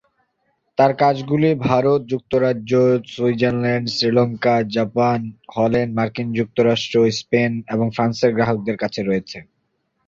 তাঁর কাজগুলি ভারত, যুক্তরাজ্য, সুইজারল্যান্ড, শ্রীলঙ্কা, জাপান, হল্যান্ড, মার্কিন যুক্তরাষ্ট্র, স্পেন এবং ফ্রান্সের সংগ্রাহকদের কাছে রয়েছে।